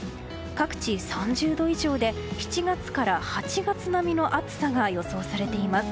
各地３０度以上で７月から８月並みの暑さが予想されています。